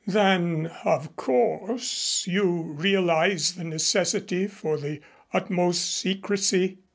"Then of course you realize the necessity for the utmost secrecy?"